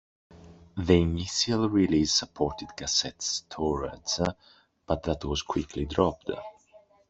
The initial release supported cassette storage, but that was quickly dropped.